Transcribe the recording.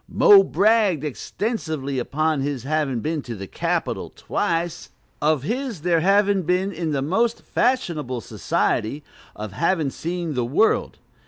"Mo" bragged extensively upon his having been to the "Capitol" twice, of his there having been in the most "fashionable society," of having seen the world.